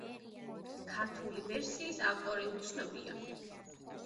ქართული ვერსიის ავტორი უცნობია.